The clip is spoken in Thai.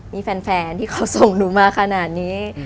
มีแฟนที่เขาส่งหนูมาขนาดนี้